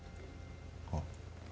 あっ。